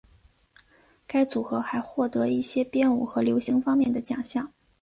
该组合还获得一些编舞和流行方面的奖项。